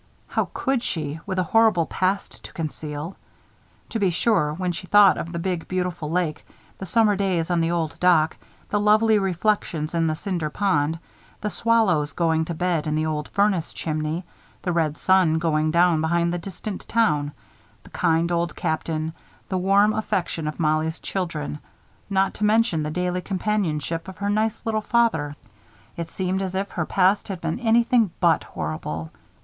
How could she, with a horrible past to conceal? To be sure, when she thought of the big, beautiful lake, the summer days on the old dock, the lovely reflections in the Cinder Pond, the swallows going to bed in the old furnace chimney, the red sun going down behind the distant town, the kind Old Captain, the warm affection of Mollie's children, not to mention the daily companionship of her nice little father, it seemed as if her past had been anything but horrible.